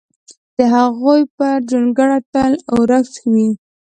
د هغوی پر جونګړه تل اورښت وي!